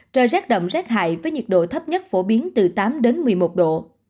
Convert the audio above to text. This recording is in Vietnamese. trời rét đậm rét hại với nhiệt độ thấp nhất phổ biến từ tám đến một mươi một độ